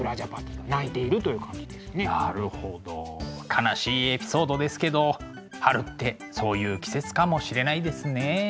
悲しいエピソードですけど春ってそういう季節かもしれないですね。